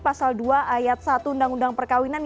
pasal dua ayat satu undang undang perkawinan